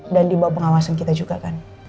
dan dibawa pengawasan kita juga kan